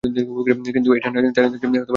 কিন্তু এই ঠাণ্ডায় দাঁড়িয়ে থাকতে বেশ লাগছে।